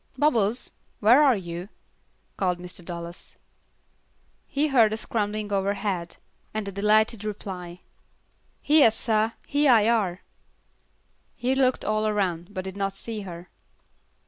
"Bubbles, where are you?" called Mr. Dallas. He heard a scrambling overhead, and a delighted reply. "Hyah, sah, hyah I are." He looked all around, but did not see her.